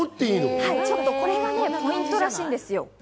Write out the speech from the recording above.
これがポイントらしいんですよ。